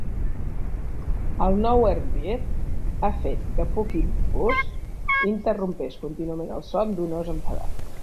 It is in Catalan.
El "Nowhere Bear" ha fet que Punkin'Puss interrompés contínuament el son d'un ós enfadat.